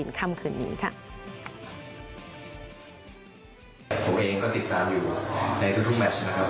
ผมเองก็ติดตามอยู่ในทุกแมทช์นะครับ